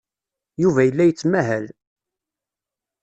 Yuba yella yettmahal.